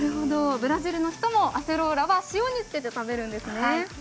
ブラジルの人もアセローラは塩につけて食べるんですね。